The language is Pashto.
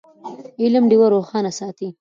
علم ډېوه روښانه ساتي.